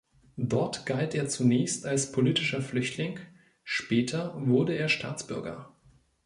Dort galt er zunächst als politischer Flüchtling, später wurde er Staatsbürger.